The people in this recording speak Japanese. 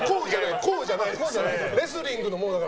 こうじゃないから。